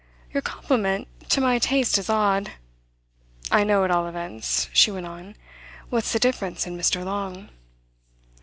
"Your compliment to my taste is odd. I know, at all events," she went on, "what's the difference in Mr. Long."